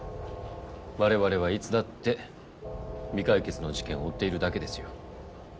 我々はいつだって未解決の事件を追っているだけですよ。